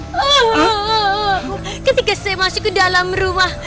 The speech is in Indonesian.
oh ketika saya masuk ke dalam rumah